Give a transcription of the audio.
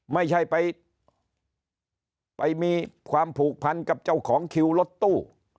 ไม่ใช่ไปมีความผูกพันกับเจ้าของคิวรถตู้